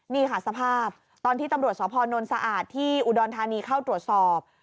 นี่ค่ะสภาพตอนที่ตำรวจสพนสะอาดที่อุดรธานีเข้าตรวจสอบ